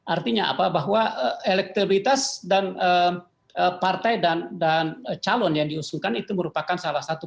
artinya apa bahwa elektribitas dan partai dan calon yang diusulkan itu merupakan salah satu